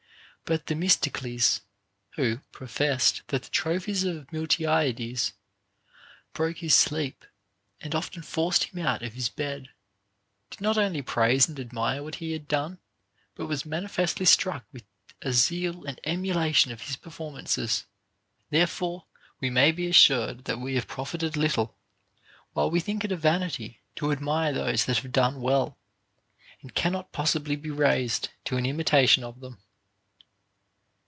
But Themistocles (who professed that the trophies of Miltiades broke his sleep, and often forced him out of his bed) did not only praise and admire what he had done, but was manifestly struck with a zeal and emulation of his performances. Therefore we may be assured that we have profited little, while we think it a vanity to admire those that have done well, and cannot possibly be raised to an imitation of them.